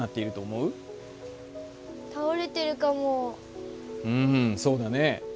うんそうだね。